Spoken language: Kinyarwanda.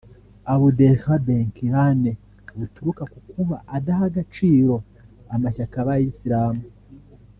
Abdelilah Benkirane buturuka ku kuba adaha agaciro amashyaka y’abayisilamu